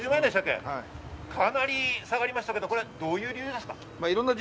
かなり下がりましたが、どういう理由ですか？